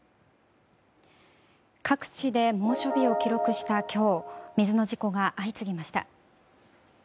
各地で猛暑日を記録した今日水の事故が相次ぎました。